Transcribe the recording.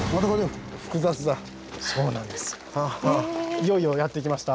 いよいよやって来ました。